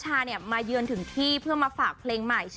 ล่าสุดน้ำชามาเยินถึงที่เพื่อมาฝากเพลงใหม่